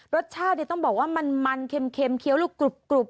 รสชาติต้องบอกว่ามันเค็มเคี้ยวลูกกรุบ